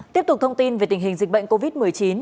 tiếp tục thông tin về tình hình dịch bệnh covid một mươi chín